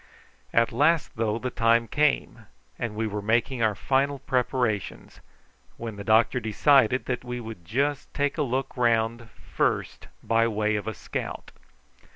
At last, though, the time came, and we were making our final preparations, when the doctor decided that we would just take a look round first by way of a scout.